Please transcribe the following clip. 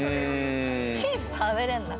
チーズ食べれるんだ。